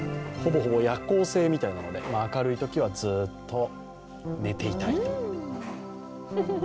ほぼ夜行性みたいなので明るいときはずっと寝ていたい。